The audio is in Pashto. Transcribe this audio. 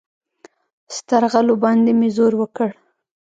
سترغلو باندې مې زور وکړ.